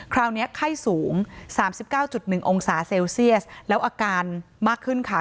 คราวนี้ไข้สูง๓๙๑องศาเซลเซียสแล้วอาการมากขึ้นค่ะ